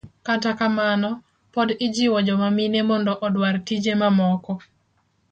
kata kamano, pod ijiwo joma mine mondo odwar tije mamoko.